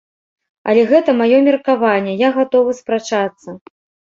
Але гэта маё меркаванне, я гатовы спрачацца.